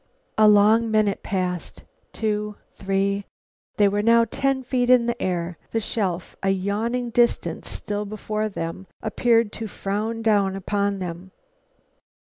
A long minute passed two three. They were now ten feet in air; the shelf, a yawning distance still before them, appeared to frown down upon them.